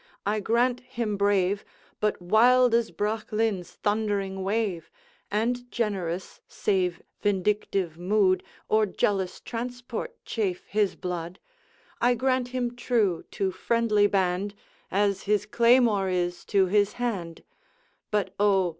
I grant him brave, But wild as Bracklinn's thundering wave; And generous, save vindictive mood Or jealous transport chafe his blood: I grant him true to friendly band, As his claymore is to his hand; But O!